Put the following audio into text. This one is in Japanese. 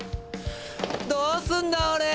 どうすんだオレ！